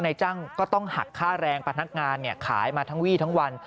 นายจ้างก็ต้องหักค่าแรงพนักงานขายมาทั้งวี่ทั้งวัน